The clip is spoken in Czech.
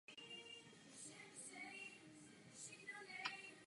Zdroj vody je dešťový a na horním toku i sněhový.